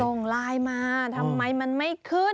ส่งไลน์มาทำไมมันไม่ขึ้น